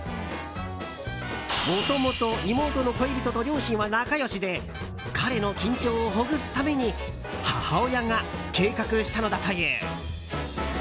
もともと妹の恋人と両親は仲良しで彼の緊張をほぐすために母親が計画したのだという。